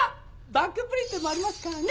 バックプリントもありますからね！